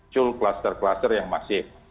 cluster cluster yang masih